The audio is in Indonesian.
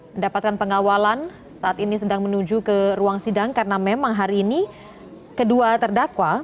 mendapatkan pengawalan saat ini sedang menuju ke ruang sidang karena memang hari ini kedua terdakwa